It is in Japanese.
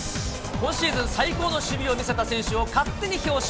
今シーズン最高の守備を見せた選手を勝手に表彰。